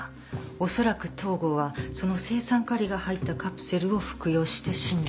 おそらく東郷はその青酸カリが入ったカプセルを服用して死んだ。